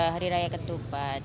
hari raya ketupat